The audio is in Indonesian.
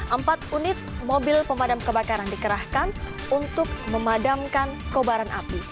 empat unit mobil pemadam kebakaran dikerahkan untuk memadamkan kobaran api